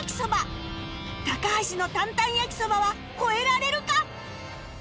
高橋の担々焼きそばは超えられるか？